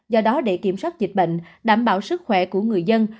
do đó để kiểm soát dịch bệnh đảm bảo sức khỏe của người dân